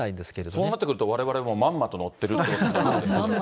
そうなってくると、われわれもまんまと乗ってるということになります。